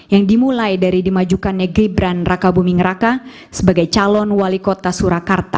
yang dimulai dari dimajukannya gibran raka buming raka sebagai calon wali kota surakarta